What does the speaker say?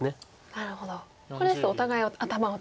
なるほどこれですとお互い頭を出して。